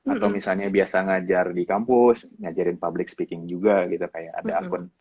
atau misalnya biasa ngajar di kampus ngajarin public speaking juga gitu kayak ada akun